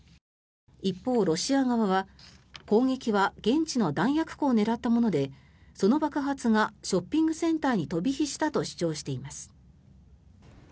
一方、ロシア側は、攻撃は現地の弾薬庫を狙ったものでその爆発がショッピングセンターに飛び火したと主張しています。